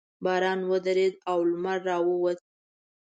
باران ودرېد او لمر راووت.